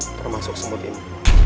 termasuk semut ini